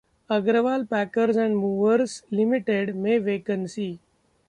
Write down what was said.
Agarwal Packers and Movers Ltd में vacancy